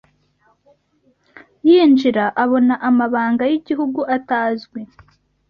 yinjira abona amabanga yigihugu atazwi